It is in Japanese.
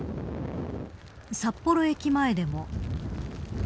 札幌駅前でも。